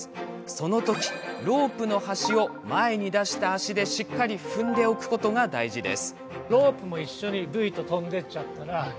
その時、ロープの端を前に出した足でしっかり踏んでおくことが大事です。